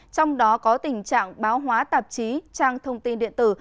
trong đó có tình trạng báo hóa tạp chí trang thông tin điện tử